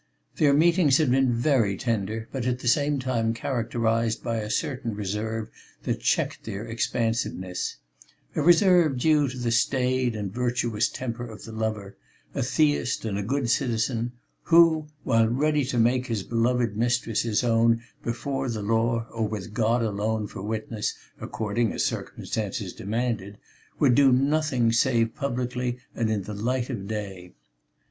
Their meetings had been very tender, but at the same time characterized by a certain reserve that checked their expansiveness, a reserve due to the staid and virtuous temper of the lover, a theist and a good citizen, who, while ready to make his beloved mistress his own before the law or with God alone for witness according as circumstances demanded, would do nothing save publicly and in the light of day.